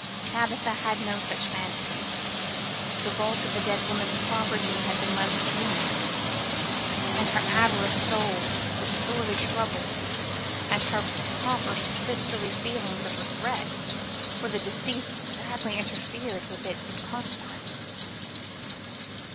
Tabitha had no such fancies. The bulk of the dead woman's property had been left to Eunice, and her avaricious soul was sorely troubled and her proper sisterly feelings of regret for the deceased sadly interfered with in consequence.